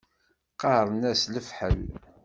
Qqaṛen-as lefḥel.